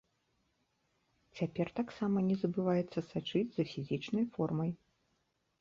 Цяпер таксама не забываецца сачыць за фізічнай формай.